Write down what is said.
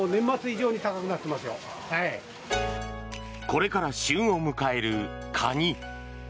これから旬を迎えるカニ。